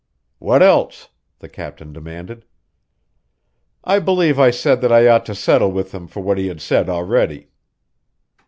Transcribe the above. "What else?" the captain demanded. "I believe I said that I ought to settle with him for what he had said already."